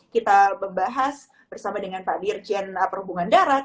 kita membahas bersama dengan pak dirjen perhubungan darat